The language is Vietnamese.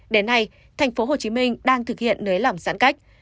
đến nay tp hcm đang thực hiện nới lỏng giãn cách